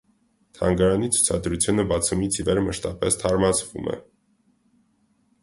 Թանգարանի ցուցադրությունը բացումից ի վեր մշտապես թարմացվում է։